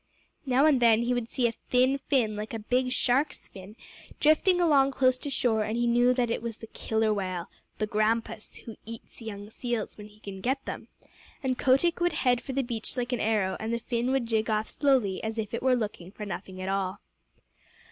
Now and then he would see a thin fin, like a big shark's fin, drifting along close to shore, and he knew that that was the Killer Whale, the Grampus, who eats young seals when he can get them; and Kotick would head for the beach like an arrow, and the fin would jig off slowly, as if it were looking for nothing at all.